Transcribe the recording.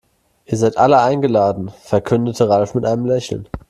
Ihr seid alle eingeladen, verkündete Ralf mit einem Lächeln.